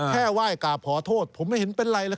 ไหว้กราบขอโทษผมไม่เห็นเป็นไรเลย